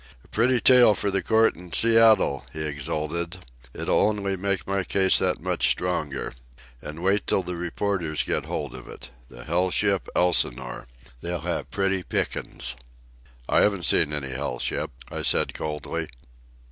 "A pretty tale for the court in Seattle," he exulted. "It'll only make my case that much stronger. And wait till the reporters get hold of it! The hell ship Elsinore! They'll have pretty pickin's!" "I haven't seen any hell ship," I said coldly.